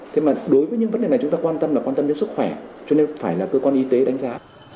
thế mà đối với những vấn đề này chúng ta quan tâm là quan tâm đến sức khỏe cho nên phải là cơ quan y tế đánh giá